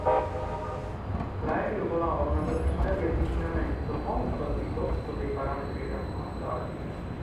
L'aereo volava ad una velocità di avvicinamento molto al di sotto dei parametri raccomandati.